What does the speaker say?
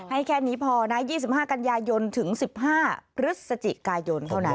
ให้แค่นี้พอนะ๒๕กันยายนถึง๑๕พฤศจิกายนเท่านั้น